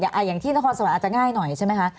อย่างที่นครสวรรค์อาจจะง่ายหน่อยใช่ไหมคะ